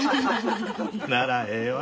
ならええわ。